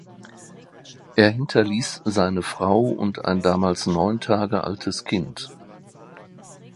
Er hinterließ seine Frau und ein damals neun Tage altes Kind.